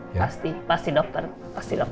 iya pasti dokter saya akan menginginkan